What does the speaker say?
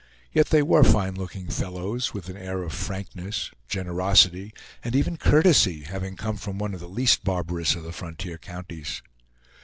Yet they were fine looking fellows, with an air of frankness, generosity, and even courtesy, having come from one of the least barbarous of the frontier counties.